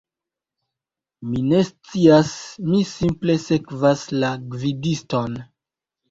Mi ne scias, mi simple sekvas la gvidiston